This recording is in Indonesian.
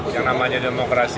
yang namanya demokrasi